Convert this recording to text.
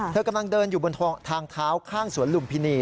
เธอกำลังเดินอยู่บนทางเท้าข้างสวนลุมพินี